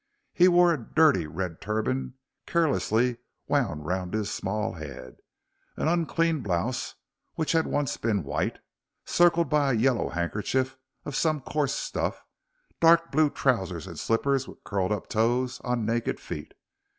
He wore a dirty red turban carelessly wound round his small head, an unclean blouse which had once been white, circled by a yellow handkerchief of some coarse stuff, dark blue trousers and slippers with curled up toes on naked feet.